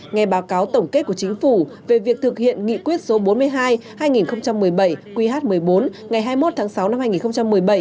nghe báo cáo tổng kết của chính phủ về việc thực hiện nghị quyết số bốn mươi hai hai nghìn một mươi bảy qh một mươi bốn ngày hai mươi một tháng sáu năm hai nghìn một mươi bảy